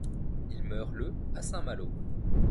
Il meurt le à Saint-Malo.